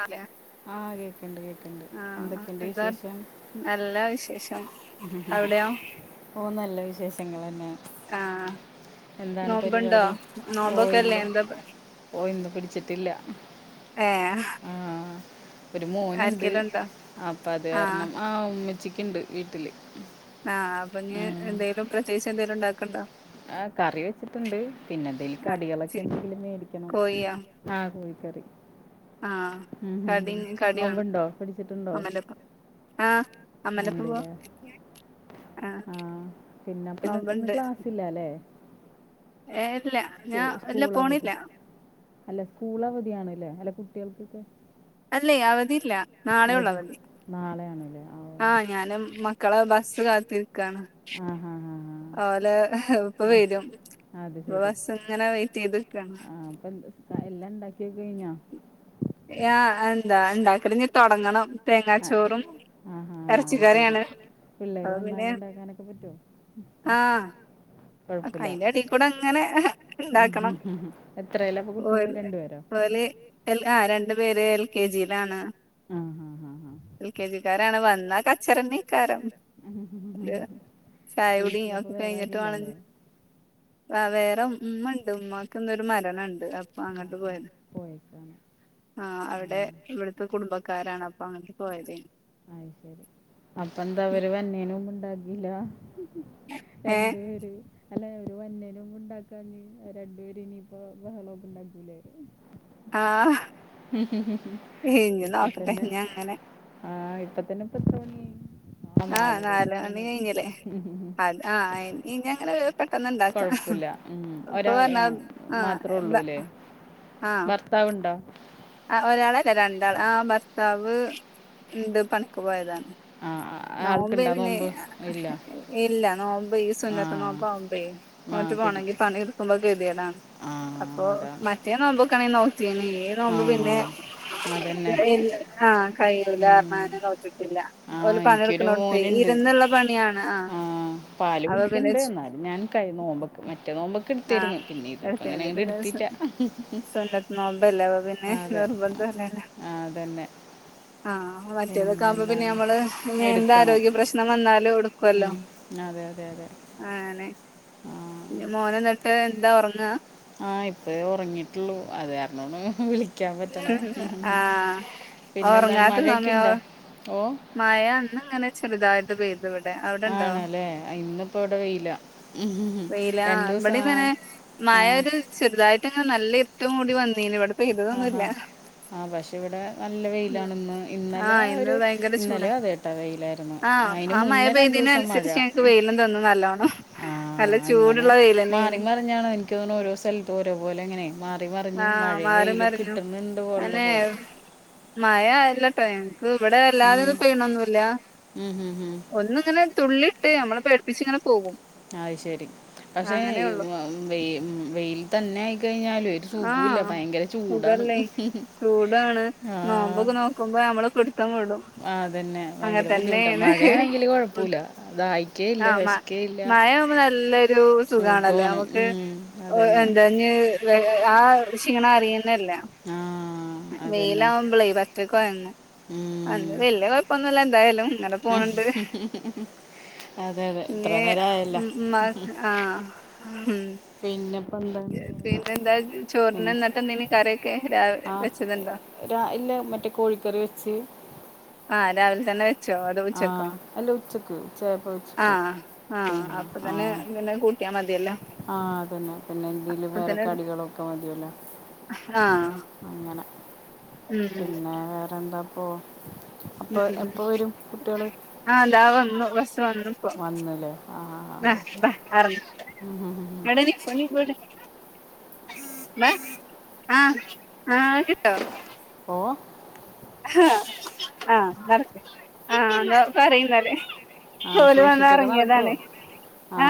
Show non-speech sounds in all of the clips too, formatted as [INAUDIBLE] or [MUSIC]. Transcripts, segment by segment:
അതെ ആ കേൾക്കുന്നുണ്ട് കേൾക്കുന്നുണ്ട് ആഹ് എന്തൊക്കെയുണ്ട് എന്താ വിശേഷം നല്ല വിശേഷം അവിടെയോ ഉ ഓ നല്ല വിശേഷങ്ങൾ തന്നെ ആഹ എന്താണ് നോമ്പുണ്ടോ പരിപാടി ഓ നോമ്പൊക്കെ ഇല്ല അല്ലേ എന്താ ഓ ഇന്ന് പിടിച്ചിട്ടില്ല ഏയ് ആ ഒരു മോനുണ്ട് ഉണ്ടോ അപ്പം അത് കാരണം ആ ഉമ്മച്ചിക്കുണ്ട് വീട്ടിൽ ആഹ് അപ്പൊ ഇനി എന്തേങ്കലും പ്രതേകിച്ചു എന്തേലും ഉണ്ടാക്കണണ്ടോ ആ് കറി വെച്ചിട്ടുണ്ട് പിന്നെ എന്തെലും ആ കടികളൊക്കെ ചി എന്തെങ്കിലും ഇനി മേടിക്കണം കോഴിക്കറി ആഹ ഉം ഉം കടി ഉം. കടിയാണ് നോമ്പുണ്ടോ പിടിച്ചിട്ടുണ്ടോ അമലപ്പ ആഹ അമലപ്പ പോ ആ ആഹ പിന്നെ പിന്ന ഇന്ന് നോമ്പ്ണ്ട് ക്ലാസ്സ് ഇല്ലല്ലേ ഏ ഇല്ല സ്‌കൂ ഞാൻ ഇല്ല സ്കൂൾ അവധി പോണില്ല അല്ല സ്കൂൾ അവധിയാണല്ലേ അല്ല കുട്ടികൾക്കൊക്കെ അല്ലെ അവധി ഇല്ല നാളെയെ ഉള്ളൂ അവധി നാളെയാണല്ലേ ആ ആഹ ഞാനും മക്കളെ ബസ് കാത്തിരിക്കയാണ് ആ ഹാ ഹാ ഹാ ഓലെ ഇപ്പൊ വരും അത് ഇപ്പൊ ശരി ബസ് ഇങ്ങനെ വെയിറ്റ് ചെയ്ത്ക്കാണ് ആ അപ്പം എല്ലാം ഇണ്ടാക്കിയക്കഴിഞ്ഞാ ആ എന്താ ഉണ്ടാക്കനിഞ് തുടങ്ങണം തേങ്ങാച്ചോറും ആഹാ അത് ശരി ഇറച്ചിക്കറിയാണ് പിള്ളേര് വന്നാലും ഉണ്ടാക്കാനൊക്കെ പറ്റോ ആഹ് അയിന്റെ അടിയിൽക്കൂടെ അങ്ങനെ ആ, ഉണ്ടാക്കണം എത്രയിലാ അപ്പൊ കുട്ടികൾ രണ്ടുപേരോ ഓല് ആ രണ്ട് പേര് എൽ കെ ജി ആഹ ആഹ ആഹ എൽ കെ ജിക്കാരാണ് വന്നാ കച്ചറീക്കാര അത് ചായ കുടി വീട്ടിലപ്പോ ഒക്കെ വേറെ ആരും കഴിഞ്ഞിട്ട് ഇല്ല വേണം അല്ലേ വേറെ ഉമ്മണ്ട് ഉമ്മാക്ക്ന്നരു മരണുണ്ട് അപ്പൊ ആ അങ്ങോട്ട് ആ പോയത് പോയേക്കാണ് ആ അവിടെ ആ ഇവിടുത്തെ കുടുംബക്കാരാണ് അപ്പൊ അങ്ങോട്ട് പോയത് അ ശരി അപ്പന്താ അവര് വരണിനു മുമ്പ് ഉണ്ടാക്കില്ല ഏ എന്റെ പേര് അല്ലെ ഓര് വരണതിന് മുമ്പ് ഉണ്ടാക്കാനി രണ്ടുപേര് ഇനിയിപ്പോ ബഹളമൊക്കെ ഇണ്ടാക്കൂലേ ആഹ് ഉഹ് ഇഞ്ഞ് ഇപ്പൊ നോക്കട്ടെ തന്നെ ഇഞ്ഞ് അങ്ങനെ ആഹ ഇപ്പത്തന്നെ ഇപ്പ തോണി ആഹ ആഹ് നാല് മണി നാലരക്കാവനായി കഴിഞ്ഞില്ലേ ഹ് ഹ് അത് ആഹ് ഇനി അങ്ങനെ പെട്ടെന്ന് ഇണ്ടാക്കാം കുഴപ്പ പ്പും ഇല്ല ഉം ഇപ്പൊ ഒരാൾ പറഞ്ഞ ആ ആഹ് മാത്രേ ഉള്ളൂ ലെ ഭർത്താവ് ഇണ്ടോ ആ ഒരാളല്ല രണ്ടാൾ ആ ഭർത്താവ് ഇണ്ട് പണിക്ക് പോയതാ ആ ആ, നോമ്പെയ് ആൾക്കുണ്ടോ പിന്നെ നോമ്പ് ഇല്ല ഇല്ല നോമ്പെയ് ആ സുന്നത്ത് നോമ്പാവുമ്പെ ആ നോറ്റ് പോണെങ്കിൽ പിടിക്കും പണി ഇട്ക്കുമ്പോ കെതിടാണ് ആ അപ്പൊ അതാണ് മറ്റേ നോമ്പൊക്കെ ആണെങ്കി നോറ്റിനി ഈ ആ നോമ്പ് ആ പിന്നെ അതന്നെ ആഹ് കയ്യിയൂലാ പർണാണ്ട് നോറ്റ്ട്ടില്ല ഇക്ക്യരു മോനുണ്ട് ആഹ് പാല് അപ്പൊ പിന്നെ കുടിക്ക്ണ്ട് ഇന്നാലും ഞാൻ കയ്യ്ണ നോമ്പക്കെ മറ്റേ നോമ്പൊക്കെ എടുത്തിരുന്നു പിന്നെ ആഹ് ഇതിപ്പോ അങ്ങനെ [UNINTELLIGIBLE] അങ്ങോട്ട് പിന്നെ എടുത്തില്ല സുന്നത്ത് നോമ്പല്ലെ അപ്പ പിന്നെ അതെ നിർബന്തോ അല്ലല്ലോ ആ അതന്നെ ആ മറ്റേതൊക്കെ പിന്നെ ആവുമ്പോ പിന്നെ എന്താണ് നമ്മള് ഇഞ് എന്ത് എടുക്കണം ആരോഗ്യ പ്രശ്നം വന്നാലും ഇട്ക്കല്ലോ ഉം. അതെ അതെ അതെ ആന്നെ ആ പിന്നെ മോൻ ന്ന്ട്ട് എന്താ ഒറങ്ങാ ആ ഇപ്പയെ ഒറങ്ങിട്ടൊള്ളു [UNINTELLIGIBLE] [INAUDIBLE] ഒന്ന് വിളി ഉം ആഹ് പിന്നെന്താണ് ഒർങ്ങാത്ത മഴയൊക്കെ സമയം ഒർ ഉണ്ടോ ഓ മഴ ഇന്ന് ഇങ്ങനെ ചെർതായി തു ഇവടെ അവ്ടെണ്ടോ ആണല്ലേ? ആ, ഇന്നിപ്പോ ഇവിടെ വെയിലാ. വെയിലാ രണ്ടൂസം ഇവടം ആ തന്നെ ആ. മഴ ഒരു ചെറുതായിട്ട് ഇങ്ങനെ നല്ല ഇര്ട്ട് മൂടി വന്നീനു ഇവടെ പെയ്തതെന്നും ആഹാ. ഇല്ല ആ പക്ഷെ ഇവിടെ നല്ല വെയിലാണ് ഇന്ന് ഇന്നലെ ആഹ് ഇന്ന് ഒരു ഭയങ്കര ഇന്നലെ ചൂടാ അതെട്ടോ വെയിലായിരുന്നു ആഹ് അയിന് ആ മഴ മുന്നേ പെയ്തേന് രണ്ടുവസം മഴ അനുസരിച്ച് ഞങ്ങക്ക് വെയിലും തന്നു നല്ലോണം ആഹ് നല്ല അങ്ങനെ ചൂടുള്ള മാറി വെയിലന്നേന് മറിഞ്ഞാണ് ഇൻക്ക് തോണു ഓരോ സ്ഥലത്തും ഒരോ പോലെ ഇങ്ങനെ മാറി മറിഞ്ഞ് ആഹ് മഴയാണ് മാറി വെയില് മറിഞ്ഞു കിട്ടുന്നുണ്ട് ഒള്ള അനെ പോലെ മഴ അല്ലട്ടൊ ക്ക് ഇവടെ വല്ലാതെ ഉം. പെയ്യണൊന്നു ഇല്ല ഉം ഹും ഹും. ഒന്ന് ഇങ്ങനെ തുള്ളി ട്ട് അമ്മളെ പേട്പ്പിച്ച് ഇങ്ങനെ പോകും അയ് ശരി പക്ഷെ ഈ അങ്ങനെയൊള്ളു വ് വെൽ വെൽ തന്നെ അയി കഴിഞ്ഞാലും ഒര് സുഖു ഇല്ല ആഹ് ഭയങ്കര ചൂടാണ് സുഖല്ലേ ആ നമ്മൾ കൊട്ത്താ ത്തം വുടും അതന്നെ അങ്ങൻ ഭയങ്കര ബുദ്ധിമുട്ടാണ് തന്നെയെണ് മഴയാണെങ്കിൽ കുഴപ്പമില്ല ദാഹിക്കേ ആ ഇല്ല മാ വിശക്കേ ഇല്ല മഴ ആവുമ്പോ നല്ലൊരു സുഖാണല്ലോ സുഖമാണ് നമുക്ക് ഉം, അതന്നെ എന്താ ഇഞ് വേ ആ ക്ഷീണം അറിയെന്നെ ഇല്ല ആ അതന്നെ വെയിലാവുമ്പളെ പറ്റ കൊഴങ്ങും അന്ന് ഉം. വല്ല്യ കൊഴപ്പൊന്നുല്ല എന്തായാലും ഇങ്ങനെ പോന്ന്ണ്ട് അതെ അതെ ഇത്ര ഇഞ്ഞ് നേരം ആയല്ല മ് ഇമ്മാക്ക് ആ പിന്നെ പ്പ എന്താ ഉം ചോറിന് എന്നിട്ട് എന്തേനി കറിയൊക്കെ രാവ് ആ വെച്ചതുണ്ടോ ഒരാഴ് ഇല്ല പ്പ മറ്റേ കോഴിക്കറി വെച്ച് ആ രാവിലെ തന്നെ വെച്ചോ അതോ ആ ഉച്ചക്കോ അല്ല ഉച്ചക്ക് ഉച്ച ആയപ്പം വെച്ചിട്ട് ആഹ് ആഹ് പിന്നെ അപ്പൊ ആ തന്നെ പിന്നെ കൂട്ടിയാ മതിയല്ലോ ആ അതെന്നെ പിന്നെ എന്തേലും വേറെ അപ്പത്തന്നെ കടികളൊക്കെ മതിയല്ലോ ആഹ് അങ്ങനെ ഉം പിന്നെ വേറെന്താപ്പോ ഉം ആ താ വന്നു ബസ് സ് വന്ന്പ്പോ വന്നല്ലേ ആ ആ ബാ ആ. ബാ അറങ്ങ് ഉം ഉം ഉം ഉം. അടെ നിക്കോങ്കി വിട് വാ ആ ആ അയൊക്കെ ഇട്ടോ ഓ ആ നടക്ക് ആ ഇന്നാ പറി ഇന്നാൽ ആ പ്പം ഓൽ വന്ന് സൂക്ഷിച്ചൊക്കെ നടക്കുമോ അറങ്ങിതാണ് ആ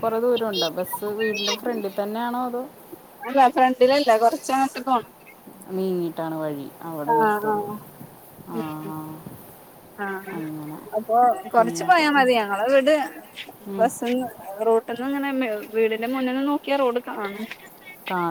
കൊറെ ദൂരം ഉണ്ടോ ബസ് വീടിന്റെ ഫ്രണ്ടി തന്നെയാണോ അതോ അല്ല ഫ്രണ്ടിൽ അല്ല കൊർച്ച് അങ്ങട്ട് പോണം നീങ്ങിയിട്ടാണ് വഴി അവിടെ ആഹ് നിർത്തൊള്ളു ആഹ് ആ ആ ആ അങ്ങനെ അപ്പൊ കൊർച്ച് പിന്നെ പോയാ ഇപ്പോൾ മതി ഞങ്ങളെ വീട് ഉം. ബസ്സ്ന്ന് റോട്ട് ഇങ്ങനെ വീടിന്റെ മുന്നേെ നോക്കിയാ റോഡ് കാണും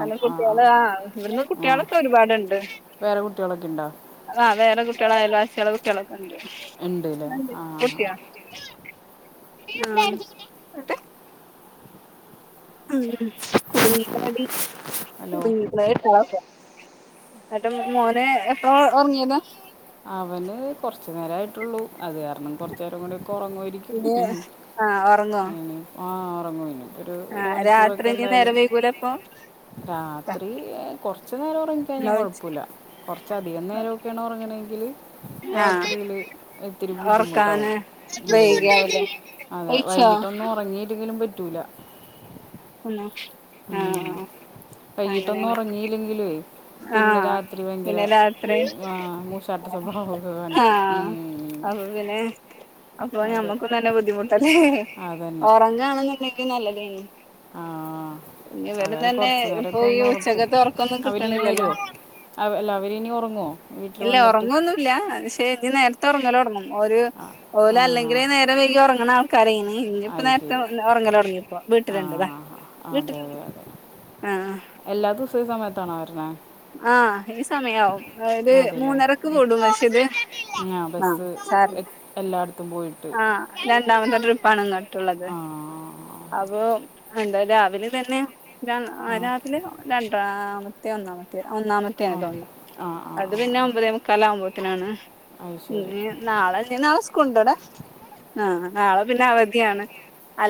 നല്ല കുട്ടികള് ആ ഇവിടുന്ന് ആ കുട്ടികളൊക്കെ ഒരുപാടുണ്ട് വേറെ കുട്ടികളൊക്കെ ഉണ്ടോ ആ വേറ കുട്ട്യാളും അയൽ വാസിയോളെ കുട്ട്യാളക്കെ ഉണ്ട് ഉണ്ട് അല്ലേ ആ ആ ആ. [INAUDIBLE] കുട്ങ്ങിക്ക്ണടി [UNINTELLIGIBLE] ഹലോ എന്നട്ട് മോൻ എപ്പോ ഒറങ്ങിയതാ കൊറച്ച് നേരമായിട്ടുള്ളൂ അത് കാരണം കൊറച്ച് നേരം കൂടിയെക്കെ ഉറങ്ങുമായിരിക്കും ഇനി ആഹ് ഒറങ്ങോ ആ ഉറങ്ങും ഇനി ഒരു ഒരു ആഹ് രാത്രി മണിക്കൂറൊക്കെ ഇനി എന്തായാലും നേരം വൈകൂലെ അപ്പൊ രാത്രി കൊറച്ച് കൊറച്ച് നേരം ഉറങ്ങിക്ക കഴിഞ്ഞാൽ കുഴപ്പമില്ല കൊറച്ച് അധികം നേരക്കെയാണ് ഒർങ്ങ്ണെങ്കി ആഹ് രാത്രിൽ ഒത്തിരി ബുദ്ധിമുട്ടാാവും ഒറക്കാന് വൈകിയാവൂലെ അതെ കഴിച്ചോ വൈകിട്ടൊന്നും ഉറങ്ങീട്ടെങ്കിലും പറ്റൂല ഉം ആഹ് വൈകിട്ടൊന്നും അങ്ങനെയാണ് ഉറങ്ങില്ലെങ്കിലേ പിന്നെ ആഹ് രാത്രി ഭയങ്കര പിന്നെ രാത്രി ആ മൂശാട്ട സ്വഭാവമൊക്കെ കാണിക്കും ആ പിന്നെ അപ്പൊ അതെ ഞമ്മക്കും നല്ല ബുദ്ധിമുട്ടല്ലേ അതന്നെ ഒറങ്ങാണെന്നുണ്ടെങ്കിൽ നല്ലതല്ലേ ആ ഇന്ന ഇവടെും അതന്നെ തന്നെ കുറച്ച് ഇപ്പൊ നേരമൊക്കെ ഈ ഒന്ന് ഉറക്കും ഉച്ചകത്ത് ഉറക്കൊന്നും കിട്ട ട്ട് അവരിനി നില്ലല്ലോ വരുമോ അവ- അല്ല അവരിനി ഉറങ്ങുമോ വീട്ടിൽ ഇല്ല വന്നിട്ട് ഒറങ്ങുന്നൊല്ല ക്ഷെ ഞ്ഞ് നേര ഒറങ്ങലൊട്ങ്ങും ഒരു ആ ആ ഓല് ആ, അല്ലെങ്കിലേ നേരം വൈകി ഒറങ്ങണ ആൾക്കാര ഉ ഇപ്പ അത് നേരത്തെ ശരി ഒറങ്ങലൊങ്ങിപ്പോ ആ വീട്ടിലുണ്ട്താ ആ, അതെ വീട്ടില് അതെ അതെ എല്ലാ ദിവസം ഈ സമയത്താണോ അവര് ആഹ് ഈ സമയാവും ഒരു അതെ അല്ലേ മൂന്നരക്ക് കൂടും പക്ഷേത് ബസ് എല്ലായിടത്തും പോയിട്ട് ആഹ് രണ്ടാമത്തെ ട്രിപ്പാണ്ങ്ങോട് ത് ആ അപ്പൊ എന്താ രാവിലെ ഇതന്നെ ആ രാത്രി രണ്ടാമത്തെ ഒന്നാമത്തെ ഒന്നാമത്തോണ് ഓക്കെ തോന്നത് ആ ആ അത് ആ പിന്നെ ആ ഒമ്പതേ മുക്കാലാവുമ്പോത്തിനാണ് അത് ശരി ന നാളെ ഇ നിനാളെ സ്കൂള ഇണ്ട്ടാ ആഹ് നാളെ പിന്നെ അവധിയാണ്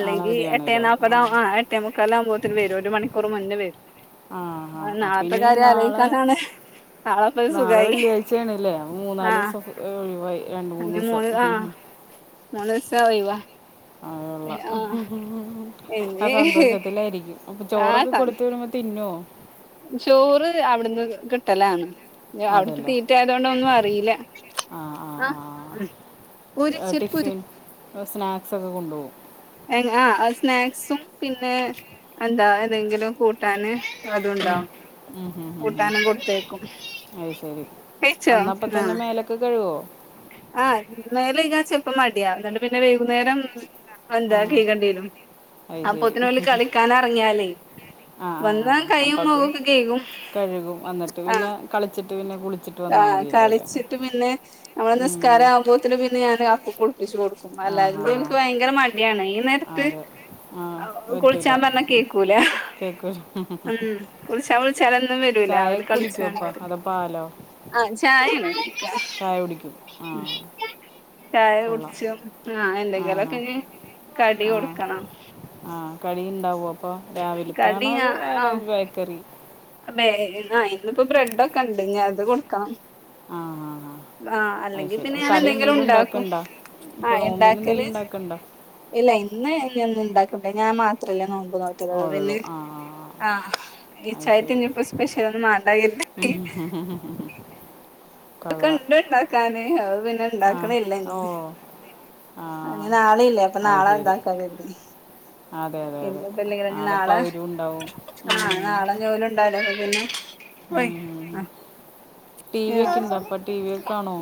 നാളെ എട്ടേ അവധിയാണല്ലേ നാൽപ്പത് ആ എട്ടേ മുക്കാൽ ആകുമ്പോത്തിന് വരും ഒരു മണിക്കൂർ മുന്നേ വരും ആ അപ്പം നാളത്തെ ഇനി കാര്യം നാളെ ആലോയിക്കാനാണ് നാളെ വെള്ളിയാഴ്ചയണല്ലേ ആ മൂന്നാല് ദിവസം ഒഴിവായി രണ്ട്മൂന്ന്ദിവസം ഉം [INAUDIBLE] മൂന്നി സ ഒഴിവാ അള്ള ആ ആ ഇനി സന്തോഷത്തിലായിരിക്കും അപ്പൊ ആ ചോറൊക്കെ കൊടുത്ത വിടുമ്പോ തിന്നോ ചോറ് അവിടുന്ന് കിട്ടലാണ് അവിടുത്തെ അതല്ലേ തീറ്റ ആയത് കൊണ്ട് ഒന്നും അറിയില്ല ആ ഉ ടിഫിൻ സ്നാക്സ് ഒക്കെ കൊണ്ടുപോകും ആ സ്നാക്സും പിന്നെ എന്താ ഏതെങ്കിലും കൂട്ടാന് ഉം അതുണ്ടാവും ഉം ഉ ഉ കൂട്ടാനും കൊടുത്തേക്കും അത് ശരി വന്നപ്പ തന്നെ മേലൊക്ക് കഴുവോ ആഹ മേല് കഴുകാൻചെലപ്പം മടിയപിന്നെ വൈകുന്നേരം ആ എന്താ കഴുകണ്ടിരും അത് അപ്പൊത്തിനൊല് കളിക്കൻറങ്ങിയാലേ ആഹ ആ് ആ അപ്പക്കെ കഴുകും വന്നിട്ട് ആ പിന്നെ കളിച്ചിട്ട് പിന്നെ കുളിച്ചിട്ട് വന്ന ആ കളിച്ചിട്ട് പിന്നെ നമ്മളെ ഉം. നിസ്കാരം ആവുമ്പോത്തിന് പിന്നെ ഞാൻ കുളിപ്പികു കൊടുക്കും ആ അല്ലാ ഹാ ഹാ എനിക്ക് ഭയങ്കര മടിയാണ് ഈ ആ നേരത്തെ അതെ ആ പറ്റൂല കുളിച്ചാൻ പറഞ്ഞ കേക്കൂല കേൾക്കൂല ഉം കുളിച്ചാ വിളിച്ചാലൊന്നും വരൂല ചായ അവര് കുടിക്കുമോ കളിച്ചണ് വരു അപ്പം അതോ പാലോ ആഹ ചായിന്ന് കുടിക ആഹ ചായ കുടിച്ചും ആഹ് ആ ഹാ എന്തെങ്കിലൊക്കെ ഇനി കടി കൊടുക്കണം ആഹ് കടിയുണ്ടാവൊ അപ്പൊ രാവിലത്തെ കടി ആണോ അതോ വേറെ ബേക്കറി ഇന്ന് ഇപ്പോ ബ്രെഡൊക്കെ ഉണ്ട് ഞ് അത് കൊടുക്കണം ആ ഹ ഹ ആ അല്ലെങ്കിൽ പിന്നെ ഞാൻ എന്തെങ്കിലും ഉണ്ടാക്കും ഇപ്പോൾ ആഹ് നോമ്പിന് ഉണ്ടാക്കല് എന്തെങ്കിലും ഉണ്ടാക്കുന്നുണ്ടോ ഇല്ല ഇന്ന് ഇഞ് ഒന്നും ഉണ്ടാക്കണ്ട ഞാൻ മാത്രല്ലേ നോ അപ്പൊ നാട്ട്കാര് പിന്നെ ആ അത് ഇച്ചായിട്ട് ശരി ഇഞ് പ്പം സ്പെഷ്യലൊന്നും മാണ്ട ഉം [UNINTELLIGIBLE] ഹും ഉംഹും ക്കണ്ട് ഇണ്ടാക്കാന് പിന്നെ ആ ഇണ്ടാക്കണില്ല ഓ ഇന്ന് ആ ഇനി നാളീം ഇല്ലേ അപ്പൊ അത് നാളെ ശരി ഇതാക്കാ കര്തി അതെ അതെ അതെ ഇന്ന്പ്പം ഇല്ലങ്കിലും ആളിപ്പോൾ നാളെ അവരും ഉണ്ടാവും ആഹ് നാളെ ജോലി ഉണ്ടായില്ലെ ആപ്പോ പിന്നെ [UNINTELLIGIBLE] ടി വി ഒക്കെ ഉണ്ടോ അപ്പം ടി വി ഒക്കെ കാണുമോ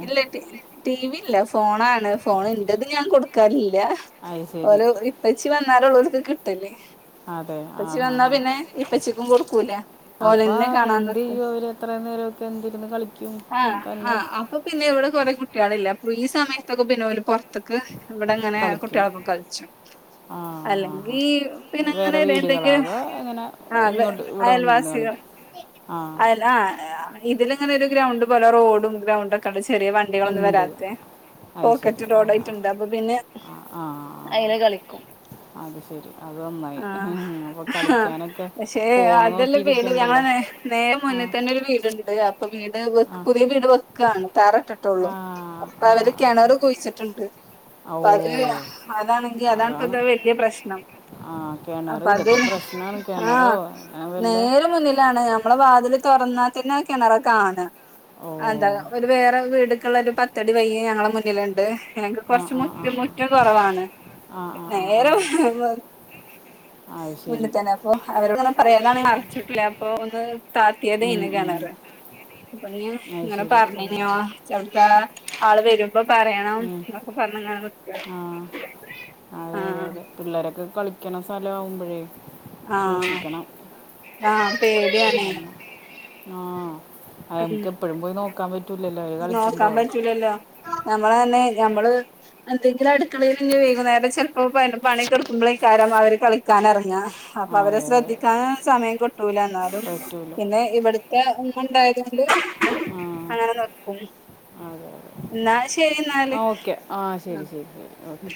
ടിവില്ല ഫോണാണ് ഫോണ്ന്റെത്ഞാൻ കൊടുക്കാറില്ല്യാ അത് ശരി ഓര് ഇപ്പച്ചി വ ന്നാലൊളെള്ള്ക്ക് കിട്ടല് അതെ ആ ഇപ്പച്ചി ഹാ വന്നാ ഹാ പിന്നെ ഇപ്പച്ചിക്കും കൊടുക്കൂല അപ്പോൾ ഓലെന്നെ എന്ത് കാണാനിക്കും ചെയ്യും അവർ എത്ര നേരമൊക്കെ എന്തിരുന്ന് കളിക്കും ആഹ് ആ തന്നെ ഹ് അപ്പ പിന്നെ ഇവിടെ കൊറെ കുട്ട്യാളില്ലേ അപ്പൊ ഈ സ് സമയതൊക്കപിന്നോല് പൊറത്ക്ക് ഇവിടങ്ങനെ കളിക്കും കുട്ട്യാളപ്പം കളിച്ചും ആ അല്ല ഹാ ഹാ ഈ വേറെ പിണങ്ങ്ണ വീടുകളോ നെന്തെങ്കിലും അതോ എങ്ങനെ ആ വേ ഇങ്ങോട്ട് ഇവിടെ വന്നിരുന്ന് അയൽവാസികൾ കളിക്കും ആ അയല്ലാ ആഹ് ഇതിലങ്ങനെ ഗ്രൗണ്ട് പോലെ റോഡും ഗ്രൗണ്ടൊ ക്കതാ ചെറിയ വണ്ടികളൊന്നും വരാ ഉണ്ട് ത്തെ അത് ശരി പോക്കറ്റ് ആ ഹാ റോഡായിട്ടുണ്ട് അപ്പൊ പിന്നെ ആ ആ ആ. അയിലെ കളിക്കും അത് ശരി അത് നന്നായി ആഹ് അപ്പോൾ ആ കളിക്കാനൊക്കെ പക്ഷെ ഫോണ് നോക്കി അതെല്ലപേടി ഞങ്ങളെ ഇരിക്കണ്ടല്ലോ നേരെ നേ ന്റെ ആ മുന്നിതന്നെരു വീട്ണ്ട് അപ്പൊ വീട് ആ വെക്ക് പുതിയ വീട് വെക്കാണ് തറട്ട്ട്ടൊള്ളു ആ ആ ആ അപ്പവര് കെണറ് കുയ്ച്ചിട്ട് ആ. ഓ ണ്ട് അത് ല്ല അതാണെങ്കി അതാണ്പ്പത്തെ വല്യ പ്രശ്നം ആഹ് കെണറ് അപ്പൊ അത് ഇതൊക്കെപ്രശ്നാണ് കിണറോ ആഹ് ങ്ങനെ വല്ല മതില് തൊറന്നാ തെന്നെ അ കെണറാ കാണാ ഓ അ എന്താ ഒരു വേറെ വീട് ക്കള്ള ഒരു പത്തടി വയ്യ് ഞങ്ങളെ മുന്നില്ണ്ട് ഞങ്ങക്ക് ആ കൊറച്ച് ആ ആ മുറ്റം മുറ്റം കൊറവാണ് ആ ആ ആ ആ നേരെ ആ അത് ശരി മുന്നിതന്നെ അപ്പൊ അവരോടങ്ങ പറയലാണ് മറച്ച് ട്ടൂല്ല അപ്പൊ ഒന്ന് ഉം, തായ്ത്തേതേന്ന് ഉം. കെണറ് പിന്നെ അത് ങ്ങനെ ശരി ഓ പറഞ്ഞെന്ന് ഞാൻ ചവ്ട്ത്താ ആള് വരും അപ്പൊ പറയണം ഉം. ന്നൊക്കെ പറഞ്ഞ്ങ്ങനെ നിക്കാ ആ ആഹ് കളിക്കണസ്ഥലാവുമ്പഴേ ആഹ് ആഹ് പേടിയാണെ ആഹ് അയ്മ്മക്ക് എപ്പഴും പോയി നോക്കാൻ പറ്റൂ നോക്കാൻ പറ്റൂലല്ലോ നമ്മളന് ഞമ്മള് എന്തെങ്കിലു അടുക്കളെല് ഞ് വൈകുന്നേരം ചെല് പ്പം പയ് ന പണിയൊക്കെ ഇട്ക്ക് മ്പളയ്ക്കാരം പ്പവര് കളിക്കാനെറങാ അപ്പവരെ അതെ അതെ ശ്രദ്ധിക്കാനൊന്നും സമയം കിട്ടൂല ന്നാലും പറ്റൂല പിന്നെ ഇവ് ട്ത്തെ ഇമ്മണ്ടായതോ ണ്ട് ആ [INAUDIBLE] അങ്ങനെ നോകും അതെ അതെ ന്നാ ശരിന്നാല് ആ ഓക്കെ ആ ശരി ആഹ് ശരി ശരി ഓക്കെ മ്